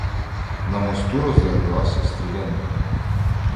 На мосту розляглася стрілянина.